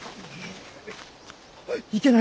いけない！